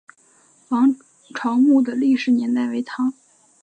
王潮墓的历史年代为唐。